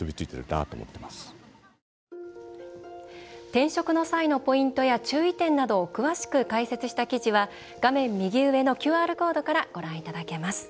転職の際のポイントや注意点などを詳しく解説した記事は画面右上のＱＲコードからご覧いただけます。